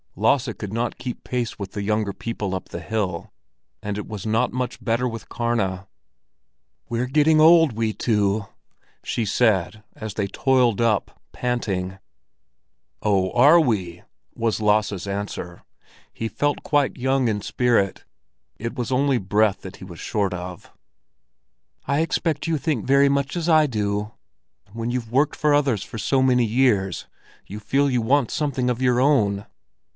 Lasse could not keep pace with the younger people up the hill, and it was not much better with Karna. "We're getting old, we two," she said, as they toiled up, panting. "Oh, are we?" was Lasse's answer. He felt quite young in spirit; it was only breath that he was short of. "I expect you think very much as I do; when you've worked for others for so many years, you feel you want something of your own."